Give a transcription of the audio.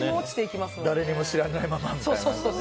誰にも知られないままみたいな。